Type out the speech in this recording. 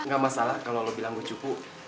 gak masalah kalau lo bilang gue cuku